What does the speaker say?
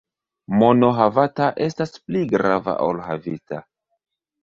Mono havata estas pli grava ol havita.